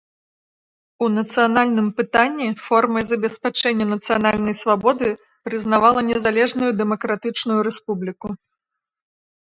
У нацыянальным пытанні формай забеспячэння нацыянальнай свабоды прызнавала незалежную дэмакратычную рэспубліку.